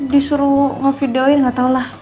disuruh nge videoin nggak tahulah